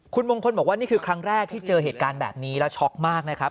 คุณมงคลบอกว่านี่คือครั้งแรกที่เจอเหตุการณ์แบบนี้แล้วช็อกมากนะครับ